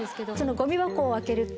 ゴミ箱を開けると。